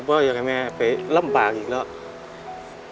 เพราะอยากให้แม่ไปลำบากอีกแล้ว